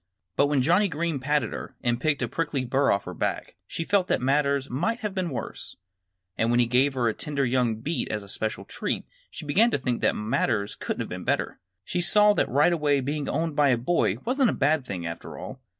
But when Johnnie Green patted her and picked a prickly burr off her back she felt that matters might have been worse. And when he gave her a tender young beet as a special treat she began to think that matters couldn't have been better. She saw right away that being owned by a boy wasn't a bad thing, after all.